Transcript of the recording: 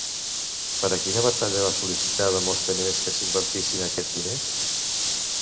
Per a quina batalla va sol·licitar Demòstenes que s'invertissin aquests diners?